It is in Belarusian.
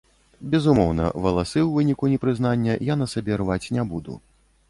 Безумоўна, валасы ў выніку непрызнання я на сабе рваць не буду.